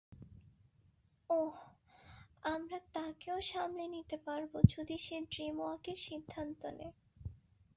ওহ, আমরা তাকেও সামলে নিতে পারব যদি সে ড্রিমওয়াকের সিদ্ধান্ত নেয়।